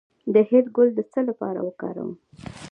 د هل ګل د څه لپاره وکاروم؟